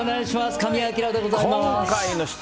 神谷明でございます。